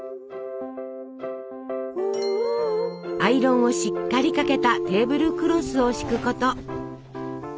アイロンをしっかりかけたテーブルクロスを敷くこと。